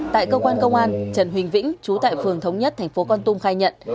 tại cơ quan công an trần huỳnh vĩnh chú tại phường thống nhất thành phố con tum khai nhận